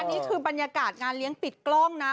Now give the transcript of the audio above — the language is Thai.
คุณผู้ชมค่ะคือบรรยากาศงานเลี้ยงปิดกล้องนะ